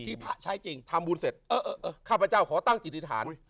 พระใช้จริงทำบุญเสร็จข้าพเจ้าขอตั้งจิตธิษฐาน